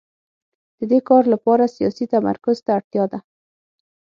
د دې کار لپاره سیاسي تمرکز ته اړتیا ده